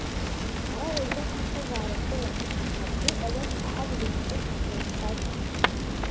Ара уаҩҵас ԥсҭазаара соуам, акгьы ҟалом ҳәа акәӡами уқәҵны узцаз?